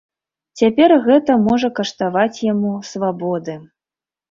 Цяпер гэта можа каштаваць яму свабоды.